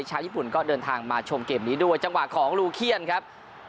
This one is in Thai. ชาวญี่ปุ่นก็เดินทางมาชมเกมนี้ด้วยจังหวะของลูเคียนครับ